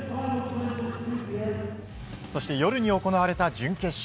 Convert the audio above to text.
そして、夜に行われた準決勝。